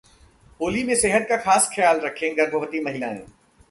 होली में सेहत का खास ख्याल रखें गर्भवती महिलाएं